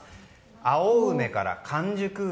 青梅から完熟梅